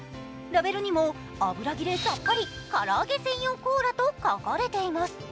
ラベルにも油ぎれさっぱりからあげ専用コーラと書かれています。